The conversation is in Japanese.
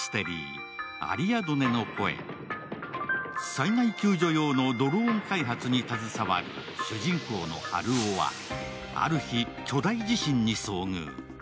災害救助用のドローン開発に携わる主人公のハルオはある日、巨大地震に遭遇。